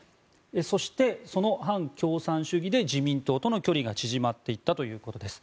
そして、その反共産主義で自民党との距離が縮まっていったということです。